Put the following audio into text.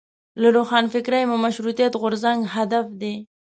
له روښانفکرۍ مو مشروطیت غورځنګ هدف دی.